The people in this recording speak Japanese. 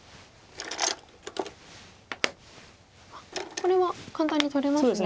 これは簡単に取れますね。